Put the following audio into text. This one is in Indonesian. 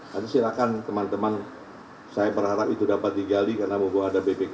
jadi silahkan teman teman saya berharap itu dapat digali karena mungkin ada bpkp dan ahli